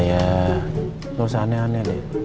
ya terus aneh aneh deh